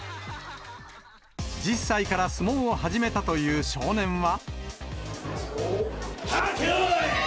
１０歳から相撲を始めたという少年は。